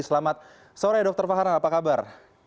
selamat sore dr fahran apa kabar